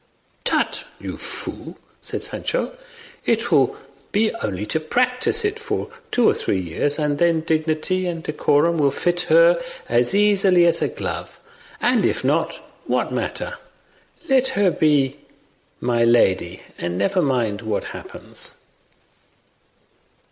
"Tut, you fool," said Sancho; "it will be only to practise it for two or three years; and then dignity and decorum will fit her as easily as a glove; and if not, what matter? Let her be 'my lady,' and never mind what happens."